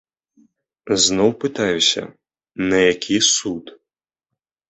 Зноў пытаюся, на які суд?